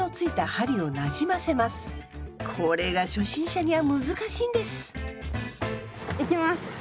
いきます。